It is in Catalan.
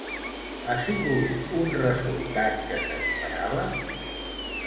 Ha sigut un resultat que s'esperava?